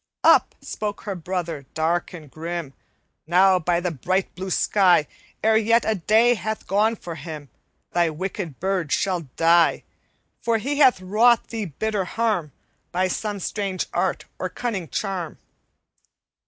"Up spoke her brother, dark and grim: 'Now by the bright blue sky, E'er yet a day hath gone for him Thy wicked bird shall die! For he hath wrought thee bitter harm, By some strange art or cunning charm.'